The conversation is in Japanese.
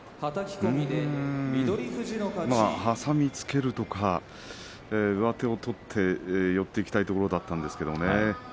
まあ、挟みつけるとか上手を取って寄っていきたいところだったんですね。